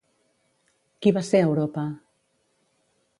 Qui va ser Europa?